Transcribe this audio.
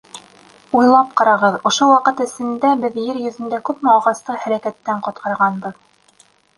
Уйлап ҡарағыҙ, ошо ваҡыт эсендә беҙ ер йөҙөндә күпме агасты һәләкәттән ҡотҡарғанбыҙ.